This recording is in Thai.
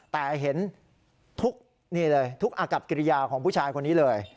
แต่เห็นทุกนี่เลยทุกอากับกิริยาของผู้ชายคนนี้เลย